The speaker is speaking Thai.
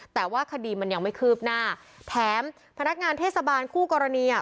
แต่ว่าคดีมันยังไม่คืบหน้าแถมพนักงานเทศบาลคู่กรณีอ่ะ